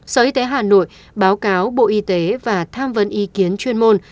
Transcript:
sở y tế hà nội báo cáo bộ y tế và tham vấn ý kiến chuyên môn